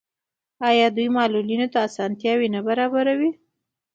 آیا دوی معلولینو ته اسانتیاوې نه برابروي؟